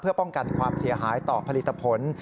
เพื่อป้องกันความเสียหายต่อผลิตผล